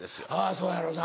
そうやろな。